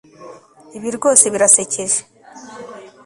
Ibi rwose birasekeje